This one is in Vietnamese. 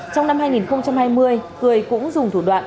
trong năm hai nghìn hai mươi cười cũng dùng thủ đoạn